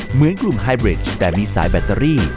เหมือนกลุ่มไฮเบรดแต่มีสายแบตเตอรี่